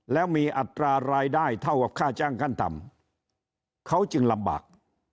แล้วมีอัตรารายได้เท่ากับค่าจ้างขั้นต่ำเขาจึงลำบาก